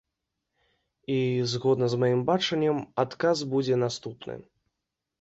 І, згодна з маім бачаннем, адказ будзе наступны.